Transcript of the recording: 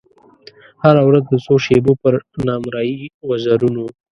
هره ورځ د څو شېبو پر نامریي وزرونو